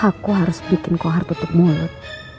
aku harus bikin kohar tutup mulut